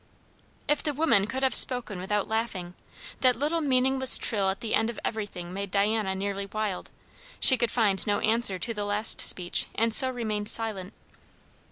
If the woman could have spoken without laughing! That little meaningless trill at the end of everything made Diana nearly wild. She could find no answer to the last speech, and so remained silent.